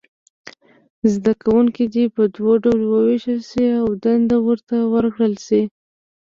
زده کوونکي دې په دوو ډلو وویشل شي او دنده ورته ورکړل شي.